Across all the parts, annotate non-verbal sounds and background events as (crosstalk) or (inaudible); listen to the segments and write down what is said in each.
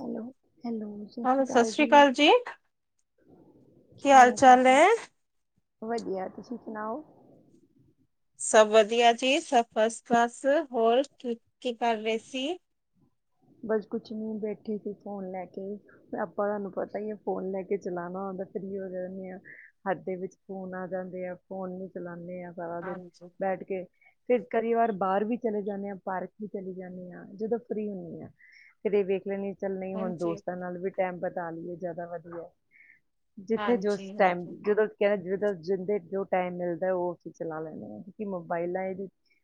Hello- hello. Hello ਸਸ ਰੀ ਕਾਲ ਜੀ, ਕੀ ਹਾਲ-ਚਾਲ ਐ? ਵਧੀਯਾ, ਤੁਸੀ ਸੁਣਾਓ? ਸਭ ਵਧੀਆ ਜੀ। ਸਭ ਫਸ-ਕਲਾਸ, ਹੋਰ ਕੀ ਕੀ ਕਰ ਰੇ ਸੀ? ਬਸ ਕੁਛ ਨੀ, ਬੈਠੀ ਸੀ ਫੋਨ ਲੈ ਕੇ। ਅਪਾਂ ਥਾਨੂੰ ਪਤਾ ਈ ਐ ਫੋਨ ਲੈ ਕੇ ਚਲਾਣਾ ਹੁੰਂਦੈ ਫਰੀ ਹੋ ਜਾਣੇ ਆਂ। (unintelligible) ਹੱਥ ਦੇ ਵਿੱਚ ਫੋਨ ਆ ਜਾਂਦੇ ਆ, ਫੋਨ ਨੂੰ ਚਲਾਣੇ ਆ ਸਾਰਾ ਦਿਨ ਹਾਂਜੀ ਬੈਠ ਕੇ। ਫੇਰ ਕਰੀ ਵਾਰ ਬਾਰ ਵੀ ਚਲੇ ਜਾਣੇ ਆਂ, ਪਾਰਕ ਵੀ ਚਲੀ ਜਾਂਣੀ ਆਂ, ਜਦੋਂ ਫਰੀ ਹੁਣੀ ਆਂ। ਕਦੇ ਵੇਖ ਲੈਂਣੀ ਆਂ ਚੱਲ ਨਹੀਂ ਹੁਣ ਹਾਂਜੀ ਦੋਸਤਾਂ ਨਾਲ ਵੀ ਟੈਮ ਬਤਾਨ ਲਈ ਜਾਦਾ ਵਧੀਐ। ਜਿੱਥੇ ਹਾਂਜੀ ਜੋਸ ਟੈਮ ਹਾਂਜੀ ਜਦੋਂ ਕੈ ਜਦੋ ਜਿੰਦੇ ਜੋ ਟਾਈਮ ਮਿਲਦੈ ਓ ਅਸੀ ਚਲਾ ਲੈਂਣੇ ਆਂ, ਕਿਉਂਕਿ ਮੋਬਾਈਲਾ ਇ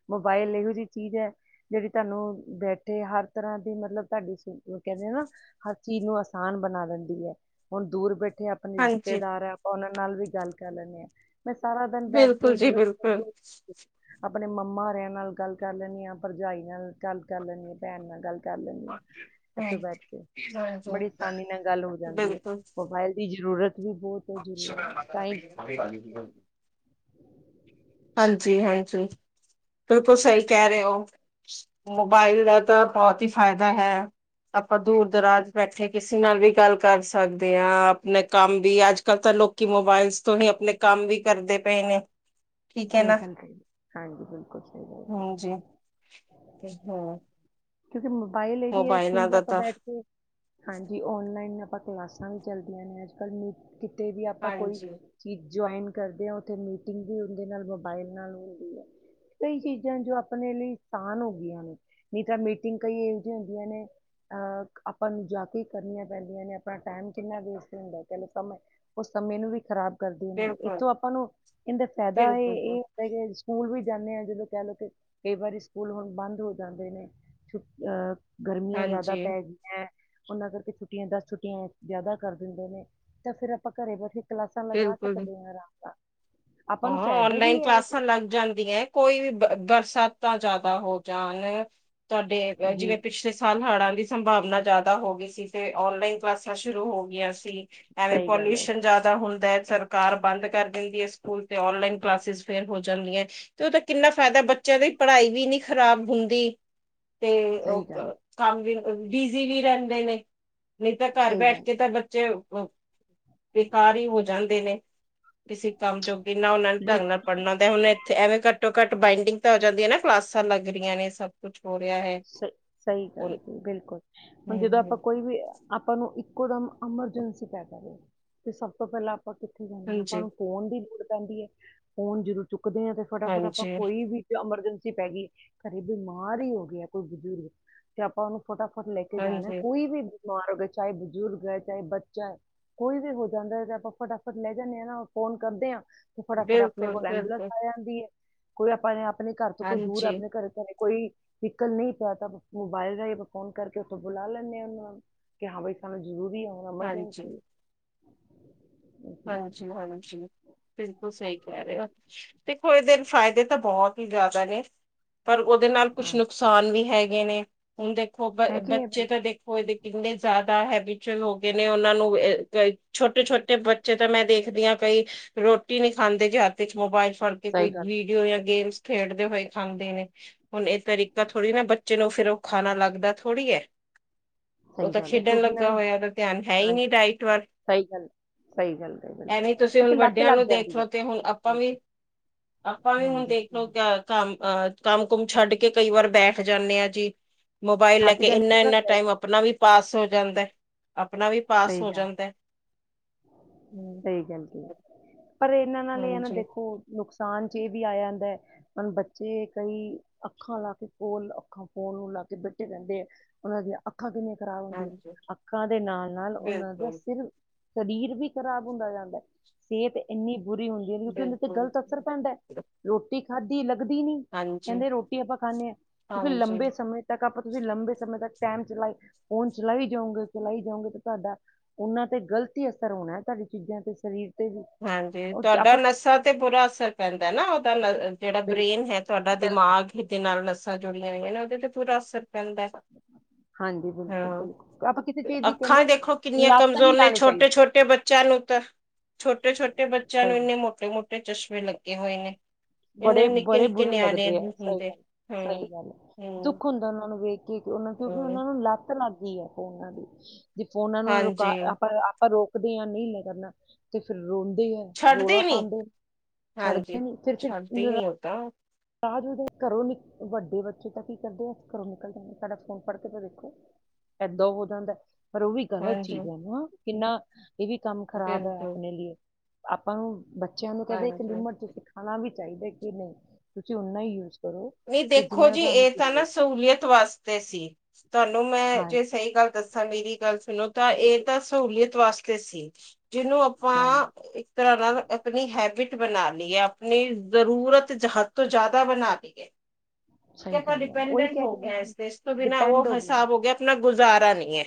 ਮੋਬਾਇਲ ਏਹੋ ਜੀ ਚੀਜ਼ ਐ, ਜੇੜੀ ਤਾਨੂੰ ਬੈਠੇ ਹਰ ਤਰ੍ਹਾਂ ਕਿ ਮਤਲਬ ਤਾਡੀ ਸੀ ਉ ਕੈੰਦੇ ਐ ਨਾ ਹਰ ਚੀਜ਼ ਨੂੰ ਆਸਾਨ ਬਣਾ ਦੇੰਦੀ ਐ, ਹੁਣ ਦੂਰ ਬੈਠੇ ਜੇ ਅਪਣੇ ਹਾਂਜੀ ਰਿਸ਼ਤੇਦਾਰ ਐ ਆਪਾਂ ਓਨਾਂ ਨਾਲ ਵੀ ਗੱਲ ਕਰ ਲੈਂਣੇ ਆਂ। ਮੈਂ ਸਾਰਾ ਦਿਨ ਬੈਠ ਕੇ ਬਿਲਕੁਲ ਹੁਣ ਜੀ ਜਿਵੇਂ ਬਿਲਕੁਲ (unintelligible) ਅਪਣੇ ਮੰਮਾ ਹੋਰੇਆਂ ਨਾਲ ਗੱਲ ਕਰ ਲੈਣੀ ਆਂ, ਭਰਜਾਈ ਨਾਲ ਗੱਲ ਕਰ ਲੈਣੀ ਆਂ, ਭੈਣ ਨਾਲ ਗੱਲ ਕਰ ਲੈਂਨੀ ਆਂ, ਹਾਂ, ਐਥੋਂ ਹਾਂਜੀ, ਬੈਠ ਕੇ। ਬਿਲਕੁਲ ਬੜੀ ਸਾਨੀ ਨਾਲ ਗੱਲ ਹੋ ਜਾਂਦੀ ਏ, ਮੋਬਾਇਲ ਦੀ ਜ਼ਰੂਰਤ ਵੀ ਬੌਤ (unintelligible) ਅਭੀ ਗਾਲੀ ਦੀ ਓ। ਹਾਂਜੀ -ਹਾਂਜੀ। ਬਿਲਕੁਲ ਸਹੀ ਕੈ ਰੇ ਔ। ਮੋਬਾਈਲ ਦਾ ਤਾਂ ਬੌਤ ਈ ਫਾਇਦਾ ਹੈ। ਆਪਾਂ ਦੂਰ-ਦਰਾਜ ਬੈਠੇ ਕਿਸੇ ਨਾਲ ਵੀ ਗੱਲ ਕਰ ਸਕਦੇ ਆਂ, ਅਪਣੇ ਕੰਮ ਦੀ। ਅੱਜ-ਕੱਲ੍ਹ ਤਾਂ ਲੋਕ ਕਿ ਮੋਬਾਇਲਸ ਤੋਂ ਹੀ ਅਪਣੇ ਕੰਮ ਵੀ ਕਰਦੇ ਪਏ ਨੇ। ਠੀਕ ਸਈ ਨਾ ਗੱਲ ਹੈ। ਹਾਂਜੀ ਬਿਲਕੁਲ ਸਹੀ। ਹਾਂਜੀ ਹਾਂ। ਕਿਉਂਕਿ ਮੋਬਾਈਲ ਏਹ ਹੀ ਹੈ। ਮੋਬਾਇਲਾਂ ਦਿਨੇ ਦਾ ਆਪਾਂ ਤਾਂ ਬੈਠ ਕੇ। ਹਾਂਜੀ ਔਨ ਲਾਈਨ ਆਪਾਂ ਕਲਾਸਾਂ ਵੀ ਚੱਲਦੀਆਂ ਨੇ ਅੱਜ ਕੱਲ੍ਹ ਨੀ ਕਿਤੇ ਵੀ ਆਪਾਂ ਕੋਈ ਹਾਂਜੀ ਚੀਜ਼ ਜੁਆਇਨ ਕਰਦੇ ਹਾਂ। ਉੱਥੇ ਮੀਟਿੰਗ ਵੀ ਉਹਦੇ ਨਾਲ ਮੋਬਾਈਲ ਨਾਲ ਹੁੰਦੀ ਐ। ਕਈ ਚੀਜ਼ਾਂ ਜੋ ਆਪਣੇ ਲਈ ਸਾਨ ਹੋ ਗਈਆਂ ਨੇ। ਨਹੀਂ ਤਾਂ ਮੀਟਿੰਗ ਕਈ ਇਹੋ ਜਆਂ ਹੁੰਦੀਆਂ ਨੇ। ਆਪਾਂ ਨੂੰ ਜਾ ਕੇ ਕਰਨੀਆਂ ਪੈਂਦੀਆਂ ਨੇ ਆਪਣਾ ਟਾਈਮ ਕਿੰਨਾ ਵੇਸਟ ਹੁੰਦਾ। ਚ ਲਓ ਕਮ ਐ। ਉਹ ਸਮੇਂ ਨੂੰ ਵੀ ਖ਼ਰਾਬ ਕਰਦੇ ਨੇ ਬਿਲਕੁਲ ਇੱਥੋਂ ਆਪਾਂ ਨੂੰ ਇੰਦਾ ਫੈਦਾ ਹੈ ਬਿਲਕੁਲ ਇਹ‌। ਕਈ ਵਾਰੀ ਸਕੂਲ ਵੀ ਜਾਂਦੇ ਹਾਂ। ਜਦੋਂ ਕਹਿ ਲਓ ਕਿ ਕਈ ਵਾਰੀ ਸਕੂਲ ਹੁਣ ਬੰਦ ਹੋ ਜਾਂਦੇ ਨੇ‌। ਅ ਗਰਮੀਆਂ ਜ਼ਿਆਦਾ ਹਾਂਜੀ ਪੈ ਗੀ। ਹੈ। ਉਹਨਾਂ ਕਰਕੇ ਛੁੱਟੀਆਂ ਦਸ ਛੁੱਟੀਆਂ ਜਾਦਾ ਕਰ ਦਿੰਦੇ ਨੇ ਤਾਂ ਫੇਰ ਆਪਾਂ ਘਰੇ ਬੈਠੇ। ਕਲਾਸਾਂ ਲਗਾ ਬਿਲਕੁਲ ਸਕਦੇ ਆਂ। ਆਰਾਮ ਨਾਲ। ਆਪਾਂ ਹਾਂ। ਨੂੰ ਫਾਇਦਾ ਆਨਲਾਈਨ ਵੀ ਹੈ ਇਹ ਚੀਜ਼। ਕਲਾਸਾਂ ਲਗ ਜਾਂਦੀ ਹੈਂ‌। ਕੋਈ ਵੀ ਬਰਸਾਤਾਂ ਜਿਆਦਾ ਹੋ ਜਾਣ ਤੁਹਾਡੇ ਜੀ ਜਿਵੇਂ ਪਿਛਲੇ। ਸਾਲ ਹੜਾਂ ਦੀ ਸੰਭਾਵਨਾ ਜਿਆਦਾ ਹੋ ਗਈ ਸੀ। ਤੇ ਓਨਲਾਈਨ ਕਲਾਸਾਂ ਸ਼ੁਰੂ ਹੋ ਗਿਆਂ ਸੀ। ਐਵੇਂ ਸਹੀ ਗੱਲ ਹੈ ਪੋਲਿਊਸ਼ਨ ਜਿਆਦਾ ਹੁੰਦਾ ਹੈ। ਸਰਕਾਰ ਬੰਦ ਕਰ ਦਿੰਦੀ ਹੈ। ਸਕੂਲ ਤੇ ਅਨਲਾਈਨ ਕਲਾਸਿਸ ਫੇਰ ਹੋ ਜਾਂਦੀਆਂ। ਤੇ ਉਹਦਾ ਕਿੰਨਾ ਫ਼ਾਇਦਾ ਬੱਚਿਆਂ ਦੀ ਪੜ੍ਹਾਈ ਵੀ ਨਹੀਂ ਖ਼ਰਾਬ ਹੁੰਦੀ। ਤੇ ਸਹੀ ਉਹ ਗੱਲ ਕੰਮ ਵੀ ਬਿਜੀ ਵੀ ਰਹਿੰਦੇ ਨੇ। ਨਹੀਂ ਤਾਂ ਘਰ ਸਹੀ ਬੈਠ ਗੱਲ ਕੇ ਤਾਂ ਬੱਚੇ। ਬੇਕਾਰ ਹੀ ਹੋ ਜਾਂਦੇ ਨੇ। ਕਿਸੇ ਕੰਮ ਜੋਗੇ ਨਾਂ ਉਹਨਾਂ ਨੇ ਬਿਲਕੁਲ ਢੰਗ ਨਾਲ। ਪੜ੍ਹਨਾ ਤੇ ਹੁਣ ਇੱਥੇ ਐਵੇਂ ਘੱਟੋ ਘੱਟ ਬਾਈੰਡਿੰਗ ਤਾਂ ਹੋ ਜਾਂਦੀਆਂ ਨਾ ਕਲਾਸਾਂ ਲੱਗ ਰਹੀਆਂ ਨੇ ਸਭ। ਕੁਛ ਹੋ ਰਿਹਾ ਹੈ। ਸਹੀ ਸਹੀ ਗੱਲ ਹਮ ਸੀ। ਬਿਲਕੁਲ ਹੁਣ ਜਦੋਂ ਆਪਾਂ ਹਮ ਕੋਈ ਵੀ। ਆਪਾਂ ਨੂੰ ਇੱਕੋ ਦਮ ਐਮਰਜੈਂਸੀ ਪੈ ਜਾਵੇ ਤੇ ਸਭ ਤੋਂ ਪਹਿਲਾਂ ਆਪਾਂ ਕਿੱਥੇ ਜਾਦੇਂ ਹਾਂ ਆਪਾਂ ਹਾਂਜੀ ਨੂੰ। ਫੋਨ ਦੀ ਲੋੜ ਪੈਂਦੀ ਹੈ। ਫੋਨ ਜਦੋਂ ਚੁੱਕਦੇ ਹਾਂ ਤੇ ਫਟਾਫਟ ਆਪਾਂ ਹਾਂਜੀ ਕੋਈ ਵੀ। ਐਮਰਜੈਂਸੀ ਪੈ ਗਈ ਘਰੇ ਬਿਮਾਰ ਹੀ ਹੋ ਗਿਆ। ਕੋਈ ਬਜ਼ੁਰਗ ਤੇ ਆਪਾਂ ਉਹਨੂੰ। ਫਟਾਫਟ ਲੈ ਕੇ ਜਾਣਾ ਹਾਂਜੀ ਕੋਈ ਵੀ ਬਿਮਾਰ ਹੋ ਗਿਆ ਚਾਹੇ ਬਜ਼ੁਰਗ ਹੈ। ਚਾਹੇ ਬੱਚਾ ਹੈ। ਕੋਈ ਵੀ ਹੋ ਜਾਂਦਾ। ਤੇ ਆਪਾਂ ਫਟਾਫਟ ਲੈ ਜਾਂਦੇ ਹਾਂ ਨਾ ਫੋਨ ਕਰਦੇ ਹਾਂ। ਫਟਾਫਟ ਆਪਣੇ ਬਿਲਕੁਲ ਕੋਲ ਐਬੂਲੈਂਸ ਬਿਲਕੁਲ ਆ ਜਾਂਦੀ ਹੈ। ਕੋਈ ਆਪਾਂ ਨੇ ਆਪ। ਆਪਣੇ ਘਰ ਤੋਂ ਕੋਈ ਦੂਰ ਹਾਂਜੀ ਆਪਣੇ ਘਰ ਤੋਂ ਕੋਈ। ਨਿਕਲ ਨਹੀਂ ਪਿਆ ਤਾਂ ਮੋਬਾਇਲ ਰਾਹੀ ਆਪਾਂ ਫੋਨ ਕਰਕੇ ਉੱਥੋਂ ਬੁਲਾ ਲੈਂਦੇ ਹ ਉਹਨਾਂ ਨੂੰ। ਕਿ ਹਾਂ ਬਾਈ ਸਾਨੂੰ ਜ਼ਰੂਰੀ ਹੈ। ਹਾਂਜੀ ਐਮਰਜੈਂਸੀ ਹੈ। ਹਾਂਜੀ। ਹਾਂਜੀ। ਬਿਲਕੁਲ ਸਹੀ ਕਹਿ ਰਹੇ ਹੋ। ਦੇਖੋ ਇਹ ਦਿਨ ਫਾਇਦੇ ਤਾਂ ਬਹੁਤ ਹੀ ਜ਼ਿਆਦਾ ਨੇ। ਪਰ ਉਹਦੇ ਨਾਲ ਕੁਛ ਹਾਂ ਨੁਕਸਾਨ ਵੀ ਹੈਗੇ ਨੇ ਹੁਣ ਦੇਖੋ ਬ ਹੈਗੀ ਹੈ ਬੱਚੇ ਬਿਲਕੁਲ ਤਾਂ ਦੇਖ। ਹੋਏਦੇ ਕਿੰਨੇ ਜ਼ਿਆਦਾ ਹੈਬੀ ਹੋ ਗਏ ਨੇ ਉਹਨਾਂ ਨੂੰ ਛੋਟੇ ਛੋਟੇੇ। ਬੱਚੇ ਤਾਂ ਮੈਂ ਦੇਖਦੀ ਹਾਂ ਕਈ ਰੋਟੀ ਨੀ ਖਾਂਦੇ ਜੇ ਹੱਥ ਚ ਮੋਬਾਇਲ ਫੜ ਕੇ ਕੋਈ। ਸਹੀ ਗੱਲ ਓ ਜਾਂ ਗੇਮਸ ਖੇਡਦੇ ਹੋਏ ਖਾਂਦੇ ਨੇ। ਹੁਣ ਇਹ ਤਰੀਕਾ ਥੋੜ੍ਹੀ ਨਾ ਬੱਚੇ ਨੂੰ ਫਿਰ ਉਹ ਖਾਣਾ ਲੱਗਦਾ ਥੋੜ੍ਹੀ ਹੈ। ਉਹ ਸਹੀ ਤਾਂ ਗੱਲ ਹੈ ਖੇਡਣ ਕਿਉਂਕਿ ਇਹਨਾਂ ਲੱਗਾ ਨੂੰ ਹੋਇਆ ਦੈ ਧਿਆਨ ਹੈ ਹੀ ਹਾਂਜੀ ਨਹੀਂ ਡਾਇਟ ਵਾਲ। ਸਹੀ ਗੱਲ ਹੈ। ਸਹੀ ਗੱਲ ਹੈ। ਬਿਲਕੁਲ ਐਵੇਂ ਤੁਸੀਂ ਕਿਉਂਕਿ ਹੁਣ ਲੱਤ ਵੱਡਿਆਂ ਲੱਗ ਨੂੰ ਜਾਂਦੀ ਹੈ ਦੇਖਲੋ ਤੇ ਹੁਣ ਆਪਾਂ ਵੀ ਹਾਂਜੀ ਆਪਾਂ ਵੀ ਹੁਣ ਹਾਂਜੀ ਦੇਖਲਓ। ਸਹੀ। ਕੰਮ ਅਹ ਕੰਮ ਕੁਮ ਛੱਡ ਕੇ ਕਈ ਵਾਰ ਬੈਠ ਜਾਂਦੇ ਆ ਜੀ। ਮੋਬਾਇਲ ਲੈ ਥੱਕ ਕੇ ਜਾਂਦੇ ਇੰਨਾ ਨਾ ਇੰਨਾ ਬੈ- ਟਾਈਮ ਆਪਣਾ ਵੀ ਪਾਸ ਹੋ ਜਾਂਦਾ। ਆਪਣਾ ਵੀ। ਪਾਸ ਸਹੀ ਹੋ ਗੱਲ। ਜਾਂਦਾ ਹੈ। ਹਮ। ਸਹੀ ਗੱਲ ਕੀ ਪਰ ਇਹਨਾਂ ਨਾਲ ਹਨ ਨਾ ਹਾਂਜੀ ਦੇਖੋ ਨੁਕਸਾਨ ਚ ਇਹ ਵੀ ਆਇਆ ਹੁੰਦਾ ਹੈ। ਹੂਣ ਬੱਚੇ ਕਈ ਅੱਖਾਂ ਲਾ ਕੇ ਫੋਲ ਅੱਖਾਂ ਫੋਨ ਨੂੰ ਲਾ ਕੇ ਬੈਠੇ ਰਹਿੰਦੇ ਹੈਂ। ਉਹਨਾਂ ਦੀਆਂ ਅੱਖਾਂ ਕਿੰਨੀਆਂ ਖ਼ਰਾਬ ਹੁੰਦੀਆਂ। ਹਾਂਜੀ ਅੱਖਾਂ ਦੇ ਨਾਲ ਨਾਲ ਉਹਨਾਂ ਦਾ ਬਿਲਕੁਲ ਸਿਰ। ਸਰੀਰ ਵੀ ਖ਼ਰਾਬ ਹੁੰਦਾ ਜਾਂਦਾ ਸਿਹਤ ਇੰਨੀ ਬੁਰੀ ਹੁੰਦੀ ਕਿਉਂਕਿ ਉਹਦੇ ਤੇ ਬਿਲਕੁਲ ਗਲਤ ਅਸਰ ਪੈਂਦਾ ਰੋਟੀ ਖਾਧੀ ਲੱਗਦੀ ਨੀ। ਹਾਂਜੀ ਕਹਿੰਦੇ ਰੋਟੀ ਆਪਾਂ ਖਾਂਦੇ ਹਾਂ ਕਿਉਂਕਿ ਹਾਂਜੀ ਲੰਬੇ ਸਮੇਂ ਤੱਕ ਆਪਾਂ ਤੁਸੀਂ ਲੰਬੇ ਸਮੇਂ ਤੱਕ ਟਾਈਮ ਚਲਾਈ ਫੋਨ ਚਲਾਈ ਜਾਓਗੇ ਚਲਾਈ ਜਾਓਗੇ। ਤੁਹਾਡਾ ਉਹਨਾਂ ਤੇ ਗ਼ਲਤੀ ਅਸਰ ਹੋਣਾ ਹੈ ਤੁਹਾਡੇ ਚੀਜ਼ਾਂ ਤੇ ਸਰੀਰ ਤੇ ਵੀ ਹਾਂਜੀ ਉਹ ਤੁਹਾਡਾ ਆਪਾਂ ਨਸ਼ਾਂ ਤੇ ਬੁਰਾ ਅਸਰ ਪੈਂਦਾ ਨਾ ਉਹਦਾ ਨ। ਜਿਹੜਾ ਬਿਲਕੁਲ ਬ੍ਰੇਨ ਹੈ ਤੁਹਾਡਾ, ਬਿਲਕੁਲ ਦਿਮਾਗ ਦੇ ਨਾਲ ਨਸਾਂ ਜੁੜੀਆਂ ਹੋਈਆਂ ਨੇ, ਉਹਦੇ ਤੇ ਪੂਰਾ ਅਸਰ ਪੈਂਦਾ ਹੈ। ਹਾਂਜੀ ਬਿਲਕੁਲ ਹਾਂ, ਬਿਲਕੁਲ ਆਪਾਂ ਕਿਸੇ ਚੀਜ਼ ਦੀ ਅੱਖਾਂ ਕਹਿੰਦੇ ਦੇਖੋ ਕਿੰਨੀਆਂ ਲੱਤ ਕਮਜ਼ੋਰ ਨਹੀਂ ਨੇ ਲਾਣੀ ਚਾਹੀਦੀ ਛੋਟੇ-ਛੋਟੇ ਬੱਚਿਆਂ ਨੂੰ ਤਾਂ, ਛੋਟੇ-ਛੋਟੇ ਬੱਚਿਆਂ ਸਹੀ ਨੂੰ ਹੈ। ਇੰਨੇ ਮ੍ਹੋਟੇ-ਮ੍ਹੋਟੇ ਚਸ਼ਮੇ ਲੱਗੇ ਹੋਏ ਨੇ। ਇੰਨੇ ਬੜੇ, ਬੜੇ ਨਿੱਕੇ-ਨਿੱਕੇ ਬੁਰੇ ਨਿਆਣੇ ਲੱਗਦੇ ਐ, ਸਹੀ ਹੁੰਦੇ ਗੱਲ, ਸਹੀ ਹੂੰ-ਹੂੰ, ਗੱਲ, ਦੁੱਖ ਹੁੰਦਾ ਉਹਨਾਂ ਨੂੰ ਵੇਖ ਉਹ, ਕਿਉਂਕਿ ਹੂੰ। ਉਹਨਾਂ ਨੂੰ ਲੱਤ ਲੱਗ ਗਈ ਹੈ ਫੋਨਾ ਦੀ, ਜੇ ਫੋਨਾ ਨੂੰ ਰੁਕਾ ਹਾਂਜੀ, ਆਪਾਂ ਆਪਾਂ ਰੋਕਦੇ ਆਂ, ਨਹੀਂ ਲੈ ਕਰਨਾ ਤੇ ਫਿਰ ਰੋਂਦੇ ਆ। ਛੱਡਦੇ ਰੋਲਾ ਨੀ ਪਾਂਦੇ, ਛੱਡਦੇ ਨੀ ਫਿਰ-ਫਿਰ ਤੇ ਮ੍ਹੋਟਾ ਰਾ ਜਦੋਂ ਘਰੋਂ ਨੀ, ਵੱਡੇ ਬੱਚੇ ਤਾਂ ਕੀ ਕਰਦੇ ਆ ਘਰੋਂ ਨਿਕਲ ਜਾਂਗੇ ਸਾਡਾ ਫੋਨ ਫੜਕੇ ਤਾਂ ਦੇਖੋ। ਏਦੋ ਹੋ ਜਾਂਦਾ। ਪਰ ਉਹ ਵੀ ਗ਼ਲਤ ਹਾਂਜੀ, ਚੀਜ਼ ਐ ਨਾ, ਕਿੰਨਾ ਇਹ ਵੀ ਕੰਮ ਖ਼ਰਾਬ ਐ, ਬਿਲਕੁਲ ਆਪਣੇ ਲੀਏ, ਆਪਾਂ ਨੂੰ ਬੱਚਿਆਂ ਨੂੰ ਕਹਿੰਦੇ ਇੱਕ ਹਾਂਜੀ। ਲਿਮਟ'ਚ ਸਿਖਾਣਾ ਵੀ ਚਾਹੀਦਾ ਕਿ ਨਹੀਂ, ਤੁਸੀਂ ਹੁਣ ਨਾ ਯੂਜ ਕਰੋ ਨਹੀਂ ਕਿ ਦੇਖੋ ਜਿੰਨਾ ਜੀ, ਤੁਹਾਨੂੰ ਇਹ ਤਾਂ ਨਾ ਜ਼ਰੂਰਤ ਹੈ ਸਹੂਲੀਅਤ ਵਾਸਤੇ ਸੀ, ਤੁਹਾਨੂੰ ਮੈਂ ਜੇ ਹਾਂਜੀ ਸਹੀ ਗੱਲ ਦੱਸਾਂ ਮੇਰੀ ਗੱਲ ਸੁਣੋ ਤਾ, ਇਹ ਤਾਂ ਸਹੂਲੀਅਤ ਵਾਸਤੇ ਸੀ ਜਿਹਨੂੰ ਹਾਂਜੀ ਵਾਂ ਤਰ੍ਹਾਂ ਨਾਲ ਆਪਣੀ ਹੈਬਿਟ ਬਣਾਲੀ ਐ, ਆਪਣੀ ਜ਼ਰੂਰਤ ਹਦ ਤੋਂ ਜ਼ਿਆਦਾ ਬਣਾਲੀ ਏ। ਕਿ ਸਹੀ ਆਪਾਂ ਗੱਲ ਹੈ ਉਹੀ ਡਿਪੈਂਡੈਂਟ ਕਹਿ ਰਹੀ ਹੋਗਿਆ ਹਾਂ ਇਸ ਤੇ, ਇਸ ਤੋਂ ਬਿਨਾ ਡਿਪੈਂਡ ਉਹ ਹੋ ਗਿਆ ਹਿਸਾਬ ਹੋਗਿਆ ਆਪਣਾ ਗੁਜ਼ਾਰਾ ਨਹੀਂ ਹੈ।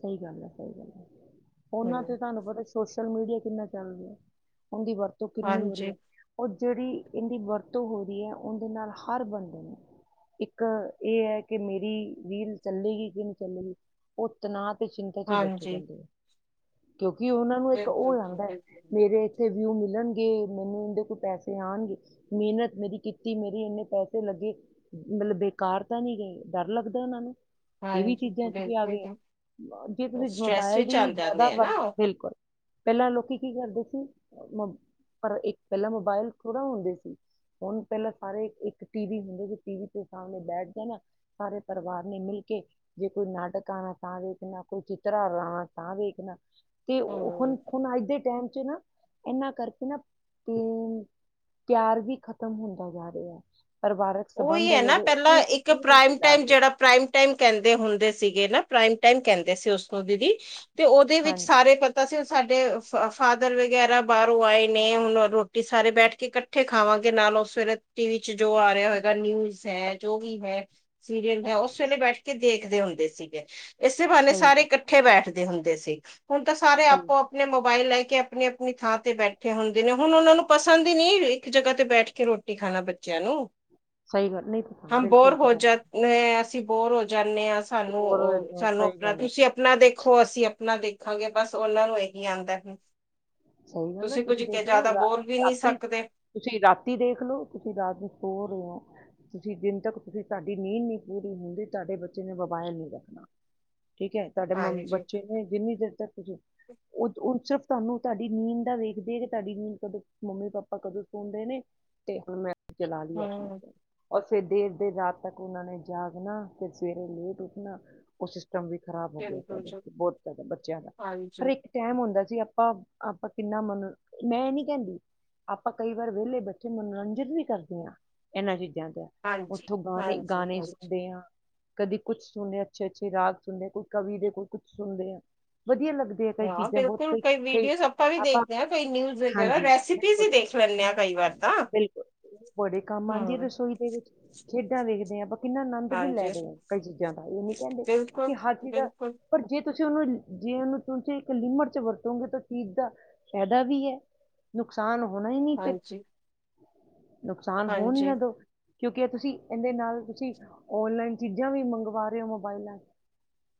ਸਹੀ ਗੱਲ ਐ, ਸਹੀ ਗੱਲ ਐ, ਉਹਨਾਂ ਤੇ ਹੂੰ ਤੁਹਾਨੂੰ ਪਤਾ ਸੋਸ਼ਲ ਮੀਡੀਆ ਕਿੰਨਾ ਚੱਲ ਰਿਹਾ, ਉਂਦੀ ਵਰਤੋਂ ਕਿੰਨੀ ਹੋ ਰਹੀ ਹਾਂਜੀ ਹੈ। ਉਹ ਜਿਹੜੀ, ਇੰਹਦੀ ਵਰਤੋਂ ਹੋ ਰਹੀ ਐ, ਉਹਦੇ ਨਾਲ ਹਰ ਬੰਦੇ ਨੇ ਇੱਕ ਇਹ ਹੈ ਕਿ ਮੇਰੀ ਰੀਲ ਚੱਲੇਗੀ, ਕਿ ਨਹੀਂ ਚੱਲੇਗੀ। ਉਹ ਤਣਾਅ ਤੇ ਚਿੰਤਾ'ਚ ਹੀ ਬੈਠੇ ਹਾਂਜੀ ਰਹਿੰਦੇ। ਕਿਉਂਕਿ, ਉਹਨਾਂ ਨੂੰ ਇੱਕ ਉਹ ਹੋ ਬਿਲਕੁਲ ਜੀ ਜਾਂਦਾ, ਬਿਲਕੁਲ ਮੇਰੇ ਤੇ ਵਿਊ ਮਿਲਣਗੇ, ਮੈਨੂੰ ਦੇਖੋ ਪੈਸੇ ਆਣਗੇ। ਮਿਹਨਤ ਮੇਰੀ ਕੀਤੀ, ਮੇਰੇ ਇੰਨੇ ਪੈਸੇ ਲੱਗੇ। ਮਤਲਬ ਬੇਕਾਰ ਤਾ ਨਹੀਂ ਗਏ, ਡਰ ਲੱਗਦਾ ਉਹਨਾਂ ਨੂੰ। ਇਹ ਵੀ ਹਾਂਜੀ, ਚੀਜ਼ਾਂ ਚ ਵੀ ਆ ਬਿਲਕੁਲ ਗਏ ਜੀ। ਜੇ ਤੁਸੀਂ ਸਟਰ੍ਰੈਸ ਮੋਬਾਇਲ ਵਿੱਚ ਦੀ, ਚੱਲ ਜ਼ਿਆਦਾ ਜਾਂਦੇ ਆ ਵਰਤ ਨਾ ਉਹ ਬਿਲਕੁਲ, ਪਹਿਲਾਂ ਲੋਕੀ ਕੀ ਕਰਦੇ ਸੀ, ਮ ਪਰ, ਇੱਕ ਪਹਿਲਾਂ ਮੋਬਾਇਲ ਥੋੜ੍ਹਾ ਹੁੰਦੇ ਸੀ। ਹੁਣ, ਪਹਿਲਾਂ ਸਾਰੇ ਇੱਕ ਟੀਵੀ ਹੁੰਦੇ, ਜ ਟੀਵੀ ਤੇ ਸਾਹਮਣੇ ਬੈਠ ਜਾਨਾ ਸਾਰੇ ਪਰਿਵਾਰ ਨੇ ਮਿਲਕੇ, ਜੇ ਕੋਈ ਨਾਟਕ ਆਣਾ ਤਾਂ ਵੇਖਣਾ, ਕੋਈ ਚਿੱਤਹਾਰ ਆਣਾ, ਤਾਂ ਵੇਖਣਾ। ਤੇ ਹੂੰ ਹੁਣ, ਹੁਣ ਅੱਜ ਦੇ ਟਾਈਮ'ਚ ਨਾ, ਇਹਨਾਂ ਕਰਕੇ ਨਾ, ਤੇ ਪਿਆਰ ਵੀ ਖ਼ਤਮ ਹੁੰਦਾ ਜਾ ਰਿਹਾ, ਪਰਿਵਾਰਕ ਉਈ ਸੰਬੰਧ ਆ ਐ ਨਾ, ਜਿਹੜੇ ਉਹ ਪਹਿਲਾਂ ਵੀ ਇੱਕ ਦੂਰ ਹੁੰਦੇ ਪ੍ਰਾਈਮ ਜਾ ਟਾਈਮ ਰਹੇ ਆ ਜਿਹੜਾ ਪ੍ਰਾਈਮ ਮ ਕਹਿੰਦੇ ਹੁੰਦੇ ਸੀਗੇ ਨਾ, ਪ੍ਰਾਈਮ ਟੈਮ ਕਹਿੰਦੇ ਸੀ ਉਸਨੂੰ ਦੀਦੀ, ਤੇ ਉਹਦੇ ਵਿੱਚ ਹਾਂਜੀ ਸਾਰੇ ਪ ਤਾਂ ਅਸੀਂ ਸਾਡੇ ਫਾਦਰ ਵਗੈਰਾ ਬਾਹਰੋਂ ਆਏ ਨੇ, ਹੁਣ ਰੋਟੀ ਸਾਰੇ ਬੈਠਕੇ ਕੱ ਇੱਥੇ ਖਾਵਾਂਗੇ ਨਾਲ ਉਹ ਸਵੇਰੇ, ਟੀਵੀ'ਚ ਜੋ ਆ ਰਿਹਾ ਹੋਏ। ਨਿਊਜ ਹੈ, ਜੋ ਵੀ ਹੈ, ਸੀਰੀਅਲ ਹੈ ਉਸ ਵੇਲੇ ਬੈਠਕੇ ਦੇਖਦੇ ਹੁੰਦੇ ਸੀਗੇ। ਇਸੇ ਬਹਾਨੇ ਸਹੀ ਸਾਰੇ ਗੱਲ ਇਕੱਠੇ ਬੈਠਦੇ ਹੁੰਦੇ ਸੀ, ਹੁਣ ਤਾਂ ਸਾਰੇ ਸਹੀ ਆਪੋ ਆਪਣੇ ਮੋਬਾਇਲ ਲੈਕੇ ਅਪਣੀ-ਅਪਣੀ ਥਾਂ ਤੇ ਬੈਠੇ ਹੁੰਦੇ ਨੇ, ਹੁਣ ਉਹਨਾਂ ਨੂੰ ਪਸੰਦ ਹੀ ਨਹੀਂ ਇੱਕ ਜਗ੍ਹਾ ਤੇ ਬੈਠ ਕੇ ਰ੍ਹੋ ਰੋਟੀ ਖਾਣਾ ਬੱਚਿਆਂ ਨੂੰ। ਸਹੀ ਗੱਲ, ਨਹੀਂ (inaudible) ਅਸੀਂ ਬਿਲਕੁਲ ਪਤਾ ਨਹੀਂ, ਬੋਰ ਹੋ ਜਾਂਨੇ ਆ, ਸਾਨੂੰ ਬੋਰ ਹੋ ਓ, ਜਾਂਦੇ ਹਾਂ ਸਾਨੂੰ ਸਹੀ ਅਪਣਾ ਗੱਲ ਆ ਤੁਸੀਂ ਪਣਾ ਦੇਖੋ ਅਸੀਂ ਆਪਣਾ ਦੇਖਾਂਗੇ ਬਸ ਉਹਨਾਂ ਨੂੰ ਇਹੀ ਆਂਦਾ ਹੈ ਸਹੀ ਗੱਲ ਆ ਤੁਸੀਂ ਕੁੱਝ ਕੇ ਦੇਖ ਲਓ ਜ਼ਿਆਦਾ ਰਾ- ਬੋਲ ਵੀ ਨਹੀ ਰਾਤੀ ਸਕਦੇ ਤੁਸੀਂ ਰਾਤੀ ਦੇਖ ਲੋ ਤੁਸੀਂ ਰਾਤ ਨੂੰ ਸੋ ਰਹੇ ਓ ਤੁਸੀਂ ਦਿਨ ਤੱਕ ਤੁਸੀਂ ਤੁਹਾਡੀ ਨੀਂਦ ਨਹੀ ਪੂਰੀ ਹੁੰਦੀ ਤੁਹਾਡੇ ਬੱਚੇ ਨੇ ਵਬਾਇਲ ਨ ਰੱਖਣਾ ਠੀਕ ਹੈ ਤੁਹਾਡੇ ਮ ਹਾਂਜੀ ਬੱਚੇ ਨੇ ਜਿੰਨੀ ਦੇਰ ਤੱਕ ਤੁਸੀਂ ਉਹ ਸਿਰਫ (unintelligible) ਤੁਹਾਨੂੰ ਤੁਹਾਡੀ ਨੀਂਦ ਦਾ ਵੇਖਦੇ ਨੇ ਕਿ ਤੁਹਾਡੀ ਨੀਂਦ ਕਦੋਂ ਮੰਮੀ ਪਾਪਾ ਕਦੋਂ ਸੁਣਦੇ ਨੇ ਤੇ ਮੈਂ ਚਲਾ ਲਈ ਆਪਣਾ ਹਮ ਆਪ ਔਰ ਫੇਰ ਦੇਰ-ਦੇਰ ਰਾਤ ਤੱਕ ਉਹਨਾਂ ਨੇ ਜਾਗਨਾ ਫਿਰ ਸਵੇਰੇ ਲੇਟ ਉੱਠਣਾ ਉਸ (unintelligible) ਵੀ ਖਰਾਬ ਹੋ ਗਿਆ ਪ ਬਿਲਕੁਲ ਜੀ ਬਹੁਤ ਜ਼ਿਆਦਾ ਬੱਚਿਆਂ ਦਾ ਪਰ ਹਾਂਜੀ ਇੱਕ ਟਾਈਮ ਹੁੰਦਾ ਸੀ ਆਪਾਂ ਆਪਾਂ ਕਿੰਨਾ ਮਨ ਮੈਂ ਇਹ ਨੀ ਕਹਿੰਦੀ ਆਪਾਂ ਕਈ ਵਾਰ ਵਿਹਲੇ ਬੈਠੇ ਮਨੋਰੰਜਨ ਵੀ ਕਰਦੇ ਆਂ ਐਹਨਾਂ ਚੀਜ਼ਾਂ ਤੇ ਹਾਂਜੀ ਉੱਥੋਂ ਗਾਣੇ ਹਾਂਜੀ ਗਾਣੇ ਹਾਂਜੀ ਸੁਣਦੇ ਆਂ ਕਦੀ ਕੁੱਛ ਸੁਣਦੇ ਅੱਛੇ ਅੱਛੇ ਰਾਗ ਸੁਣਦੇ ਕੋਈ ਕਵੀ ਦੇ ਕੋਈ ਕੁਛ ਸੁਣਦੇ ਆ ਵਧੀਆ ਲੱਗ ਤੇ ਕਈ ਹਾਂ ਚੀਜ਼ਾਂ ਬਹੁਤ ਬਿਲਕੁਲ ਕਈ ਕਈ ਵੀਡੀਓਜ਼ ਵੀ ਆਪਾਂ ਦੇਖਦੇ ਹਾਂ ਕਈ ਨਿਊਜ਼ ਵਗੈਰਾ ਹਾਂਜੀ ਰੈਸਿਪੀਜ਼ ਬਿਲਕੁਲ ਹੀ ਦੇਖ ਲੈਂਦੇ ਹਾਂ ਕਈ ਵਾਰ ਤਾਂ ਬਿਲਕੁਲ ਬੜੇ ਕੰਮ ਆਂਦੀ ਆ ਹਮ ਰਸੋਈ ਦੇ ਵਿੱਚ ਖੇਡਾਂ ਵੇਖਦੇ ਆਂ ਆਪਾਂ ਕਿੰਨਾ ਅਨੰਦ ਵੀ ਹਾਂਜੀ ਲੈਦੇ ਹਾਂ ਕਈ ਚੀਜ਼ਾਂ ਦਾ ਇਹ ਨੀ ਕਹਿੰਦੇ ਕਿ ਬਿਲਕੁਲ ਹਰ ਚੀਜ਼ ਦਾ ਬਿਲਕੁਲ ਪਰ ਜੇ ਤੁਸੀਂ ਉਹਨੂੰ ਜੇ ਉਹਨੂੰ ਤੁਸੀਂ ਇਕ ਲਿਮਟ ਚ ਵਰਤੋਂਗੇ ਤ ਚੀਜ਼ ਦਾ ਫੈਦਾ ਵੀ ਹੈ ਨੁਕਸਾਨ ਹੋਣਾ ਹੀ ਨਹੀਂ ਫਿਰ ਹਾਂਜੀ ਨੁਕਸਾਨ ਹੋਣ ਈ ਹਾਂਜੀ ਨਾਂ ਦਓ ਕਿਉਂਕਿ ਐ ਤੁਸੀਂ ਇਹਦੇ ਨਾਲ ਤੁਸੀਂ ਔਨਲਾਈਨ ਚੀਜ਼ਾਂ ਵੀ ਮੰਗਵਾ ਰਹੇ ਹੋ ਮੋਬਾਈਲਾਂ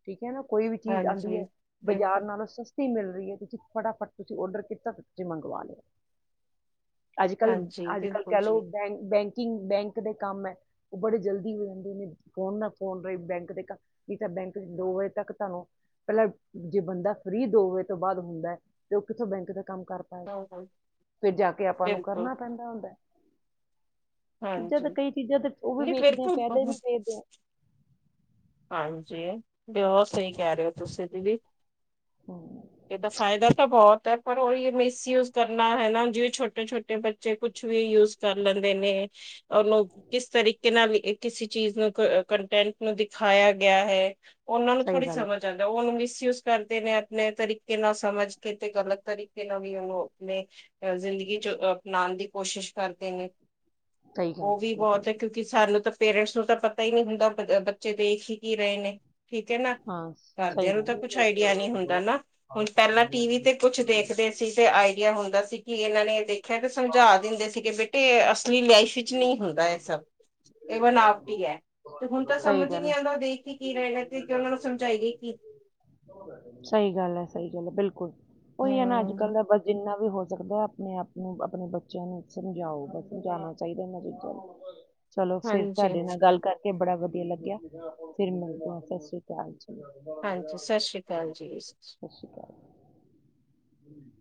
ਠੀਕ ਹੈ ਨਾ ਕੋਈ ਵੀ ਚੀਜ਼ ਆਉਂਦੀ ਹਾਂਜੀ ਹੈ ਬਾਜ਼ਾਰ ਬਿਲਕੁਲ ਨਾਲੋਂ ਸਸਤੀ ਮਿਲ ਰਹੀ ਹੈ ਤੁ ਫਟਾਫਟ ਤੁਸੀਂ ਔਡਰ ਕੀਤਾ ਤੁਸੀਂ ਮੰਗਵਾ ਲਿਓ ਅੱਜ ਕੱਲ ਹਾਂਜੀ ਅੱਜ ਕੱਲ ਬਿਲਕੁਲ ਕਹਿ ਜੀ ਲੋ ਬੈਂ ਬੈਂਕਿੰਗ ਬੈਂਕ ਦੇ ਕੰਮ ਐ ਉਹ ਬੜੇ ਜਲਦੀ ਰਹਿੰਦੇ (unintelligible) ਨੇ ਫੋਨ ਨਾ ਫੋਨ ਰਹੇ ਬੈਂਕ ਦੇ ਕ ਕੀ ਤਾਂ ਬੈਂਕ ਦੋ ਵਜੇ ਤੱਕ ਤੁਹਾਨੂੰ ਪਹਿਲਾਂ ਜੇ ਬੰਦਾ ਫ੍ਰਰੀ ਦੋ ਵਜੇ ਤੋਂ ਬਾਅਦ ਹੁੰਦਾ ਐ ਤੇ ਉਹ ਕਿੱਥੋਂ ਬੈਂਕ ਦਾ ਕੰਮ ਕਰ ਪਾਏਗਾ ਹਾਂ ਤੇ ਜਾ ਕੇ ਆਪਾਂ ਨੂੰ ਬਿਲਕੁਲ ਕਰਨਾ ਪੈਂਦਾ ਹੁੰਦਾ ਐ ਹਾਂਜੀ ਵੀ ਨਹੀਂ ਫਿਰ ਵੇਖਦੇ ਆ ਫਾਇਦੇ ਵੀ (unintelligible) ਵੇਖਦੇ ਆ ਹਾਂਜੀ ਤੇ ਹੋਰ ਸਹੀ ਕਹਿ ਰਹੇ ਹੋ ਤੁਸੀਂ ਦੀਦੀ ਹਮ ਇਹਦਾ ਫਾਇਦਾ ਤਾਂ ਬਹੁਤ ਐ ਪਰ ਉਹਹੀ ਮਿਸਯੂਜ਼ ਕਰਨਾ ਹੈ ਨਾ ਜਿਵੇਂ ਛੋਟੇ-ਛੋਟੇ ਬੱਚੇ ਕੁਛ ਵੀ ਯੂਜ਼ ਕਰ ਲੈਂਦੇ ਨੇ ਓ ਲੋ ਕਿਸ ਤਰੀਕੇ ਨਾਲ ਕਿਸੇ ਚੀਜ਼ ਨੂੰ ਕੰਟੈਂਟ ਨੂੰ ਦਿਖਾਇਆ ਗਿਆ ਹੈ ਉਹਨਾਂ ਨੂੰ ਸਹੀ ਥੋੜੀ ਗੱਲ ਸਮਝ ਆਂ ਉਹਨੂੰ ਮਿਸਯੂਜ ਕਰਦੇ ਨੇ ਆਪਣੇ ਤਰੀਕੇ ਨਾਲ ਸਮਝ ਕੇ ਤੇ ਗਲਤ ਤਰੀਕੇ ਨਾਲ ਵੀ ਉਹ ਆਪਣੇ ਅਹ ਜ਼ਿੰਦਗੀ ਚ ਅ ਅਪਨਾਣ ਦੀ ਕੋਸ਼ਿਸ਼ ਕਰਦੇ ਨੇ ਸਹੀ ਗੱਲ ਉਹ ਵੀ ਕੀਤੀ ਬਹੁਤ ਹੈ ਬਿਲਕੁਲ। ਕਿਉਂਕਿ ਸਾਨੂੰ ਤਾਂ ਪੇਰੈਂਟਸ ਨੂੰ ਤਾਂ ਪਤਾ ਹੀ ਨਹੀਂ ਹੁੰਦਾ ਬੱਚੇ ਦੇਖ ਹੀ ਕੀ ਰਹੇ ਨੇ ਠੀਕ ਹੈ ਨਾ ਹਾਂ ਸਹੀ ਘਰਦਿਆਂ ਨੂੰ ਤਾਂ ਗੱਲ ਕੁਛ ਆਈਡੀਆ ਨੀ ਹੁੰਦਾ ਨਾ ਹੁਣ ਪਹਿਲਾਂ ਟੀ ਵੀ ਤੇ ਕੁਛ ਦੇਖਦੇ ਸੀ ਤੇ ਆਈਡੀਆ ਹੁੰਦਾ ਸੀ ਕਿ ਇਹਨਾਂ ਨੇ ਦੇਖਿਆ ਤੇ ਸਮਝਾ ਦਿੰਦੇ ਸੀਗੇ ਬੇਟੇ ਇਹ ਅਸਲੀ ਲਾਈ ਚ ਨਹੀਂ ਹੁੰਦਾ ਇਹ ਸਭ ਇਹ ਬਨਾਵਟੀ ਐ ਤੇ ਹੁਣ ਤਾਂ ਸਹੀ ਸਮਝ ਹੀ ਨਹੀਂ ਗੱਲ ਆਉਂਦਾ ਦੇਖ ਕੇ ਕੀ ਰਹਿਣਾ ਤੇ ਉਹਨਾਂ ਨੂੰ ਸਮਝਾਈਏ ਕੀ ਸਹੀ ਗੱਲ ਐ ਸਹੀ ਗੱਲ ਐ ਬਿਲਕੁਲ ਉਹੀ ਹੈ ਨਾ ਅੱਜ ਕੱਲ ਹਮ ਦਾ ਬ ਜਿੰਨਾ ਵੀ ਹੋ ਸਕਦਾ ਐ ਆਪਣੇ ਆਪ ਨੂੰ ਆਪਣੇ ਬੱਚਿਆਂ ਨੂੰ ਸਮਝਾਓ ਬ (unintelligible) ਜਾਣਾ ਚਾਹੀਦਾ ਮਰੀਜ਼ਾਂ ਨੂੰ ਚਲੋ ਫਿਰ ਹਾਂਜੀ ਤੁਹਾਡੇ ਨਾਲ ਗੱਲ ਕਰ ਕੇ ਬੜਾ ਵਧੀਆ ਲੱਗਿਆ ਫਿਰ ਮਿਲ ਸਸ੍ਰੀ ਕਾਲ ਜੀ ਹਾਂਜੀ ਸਤਿ ਸ੍ਰੀ ਅਕਾਲ ਜੀ (inaudible)